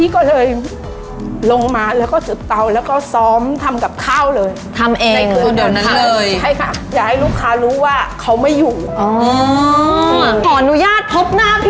ขอนุญาตพบหน้าพี่ศู้กลับมือ